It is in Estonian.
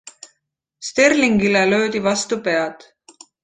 Sterlingile löödi vastu pead.